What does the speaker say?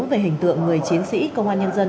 về hình tượng người chiến sĩ công an nhân dân